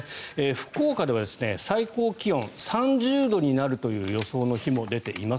福岡では最高気温３０度になるという予想の日も出ています。